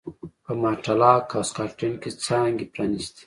په ماټلاک او سکاټلنډ کې څانګې پرانېستې.